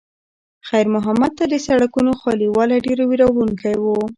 خیر محمد ته د سړکونو خالي والی ډېر وېروونکی و.